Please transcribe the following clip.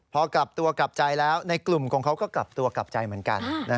พอกลับตัวกลับใจแล้วในกลุ่มของเขาก็กลับตัวกลับใจเหมือนกัน